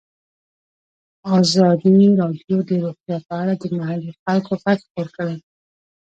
ازادي راډیو د روغتیا په اړه د محلي خلکو غږ خپور کړی.